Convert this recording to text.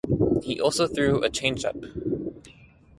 He also threw a changeup.